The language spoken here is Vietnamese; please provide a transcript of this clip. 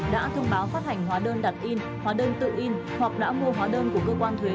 đã thông báo phát hành hóa đơn đặt in hóa đơn tự in hoặc đã mua hóa đơn của cơ quan thuế